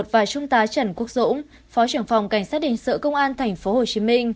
và trung tá trần quốc dũng phó trưởng phòng cảnh sát hình sự công an tp hcm